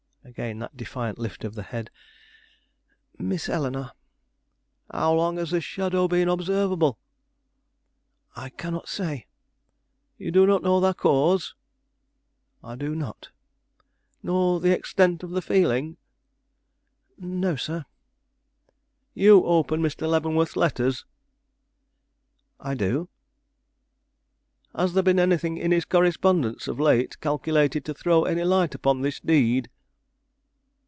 Again that defiant lift of the head. "Miss Eleanore." "How long has this shadow been observable?" "I cannot say." "You do not know the cause?" "I do not." "Nor the extent of the feeling?" "No, sir." "You open Mr. Leavenworth's letters?" "I do." "Has there been anything in his correspondence of late calculated to throw any light upon this deed?"